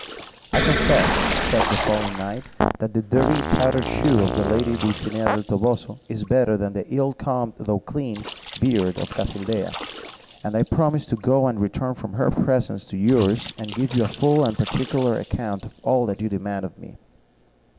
"I confess," said the fallen knight, "that the dirty tattered shoe of the lady Dulcinea del Toboso is better than the ill combed though clean beard of Casildea; and I promise to go and to return from her presence to yours, and to give you a full and particular account of all you demand of me."